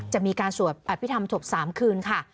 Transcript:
จะมีการสวดอภิษฐรรมศพ๓คืนค่ะ